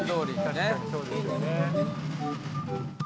確かにそうですね。